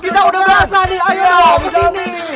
kita udah biasa nih ayo kesini